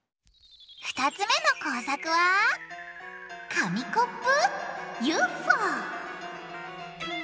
２つ目の工作は「紙コップＵＦＯ」！